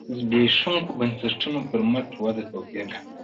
د زبېښونکو بنسټونو پر مټ وده توپیر لري.